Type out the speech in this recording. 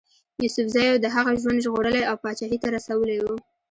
یوسفزیو د هغه ژوند ژغورلی او پاچهي ته رسولی وو.